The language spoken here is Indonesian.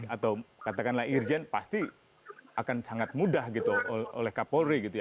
atau katakanlah irjen pasti akan sangat mudah gitu oleh kapolri gitu ya